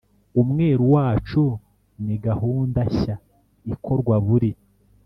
umweru wacu ni gahunda shya ikorwa buri